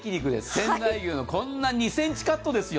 仙台牛の２ｃｍカットですよ。